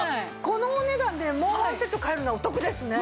このお値段でもうワンセット買えるのはお得ですね。